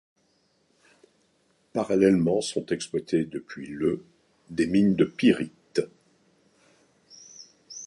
Parallèlement sont exploitée depuis le des mines de pyrite.